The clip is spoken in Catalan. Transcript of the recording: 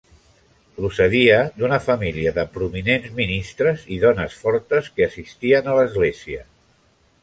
Procedia d'una família de prominents ministres i dones fortes que assistien a l"església.